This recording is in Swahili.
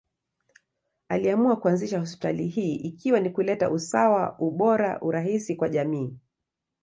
Aliamua kuanzisha hospitali hii ikiwa ni kuleta usawa, ubora, urahisi kwa jamii.